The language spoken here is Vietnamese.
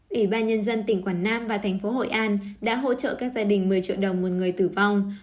ủy ban nhân dân tỉnh quảng nam và thành phố hội an đã hỗ trợ các gia đình một mươi triệu đồng một người tử vong